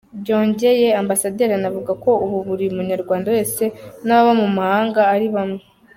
Byongeye Ambasaderi anavuga ko ubu buri Munyarwanda wese n’ababa mu mahanga ari bamwe.